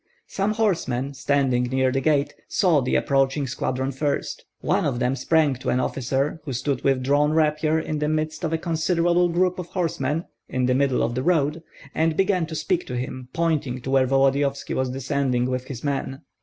Some horsemen, standing near the gate, saw the approaching squadron first. One of them sprang to an officer, who stood with drawn rapier in the midst of a considerable group of horsemen, in the middle of the road, and began to speak to him, pointing to where Volodyovski was descending with his men.